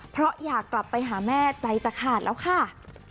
เพราะอยากกลับไปหาแม่ใจจะขาดแล้วค่ะ